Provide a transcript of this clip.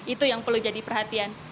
itu yang perlu jadi perhatian